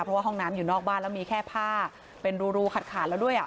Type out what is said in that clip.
เพราะว่าห้องน้ำอยู่นอกบ้านแล้วมีแค่ผ้าเป็นรูขาดขาดแล้วด้วยอ่ะ